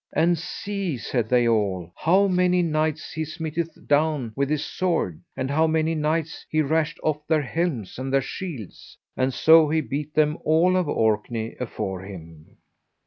And see, said they all, how many knights he smiteth down with his sword, and of how many knights he rashed off their helms and their shields; and so he beat them all of Orkney afore him.